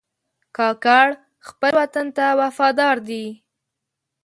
کاکړ خپل وطن ته وفادار دي.